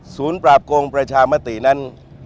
ศูนย์ปราบโกงประชามตรีนั้น